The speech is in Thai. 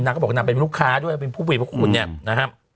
นางก็บอกว่านางเป็นลูกค้าด้วยเป็นผู้มีพระคุณ